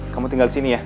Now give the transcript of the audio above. kamu tinggal disini ya